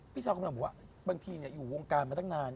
พี่ชาวก็บอกว่าบางทีเนี่ยอยู่วงการมาตั้งนาน